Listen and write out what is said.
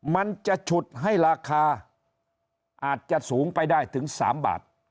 มันจะฉุดให้ราคาอาจจะสูงไปได้ถึง๓บาท